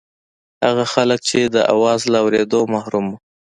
هغه خلک چې د اواز له اورېدو محروم وو.